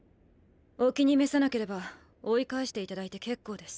お気に召さなければ追い返していただいて結構です。